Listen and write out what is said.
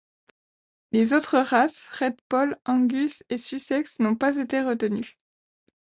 Les autres races, red poll, angus et sussex, n'ont pas été retenues.